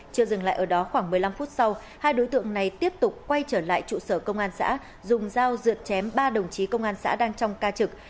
chưa dừng lại ở đó khoảng một mươi năm phút sau hai đối tượng này tiếp tục quay trở lại trụ sở công an xã dùng dao dựa chém ba đồng chí công an xã đang trong ca trực